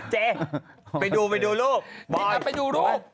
เจ๊ไปดูไปดูลูก